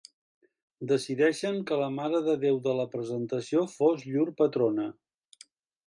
Decideixen que la Mare de Déu de la Presentació fos llur patrona.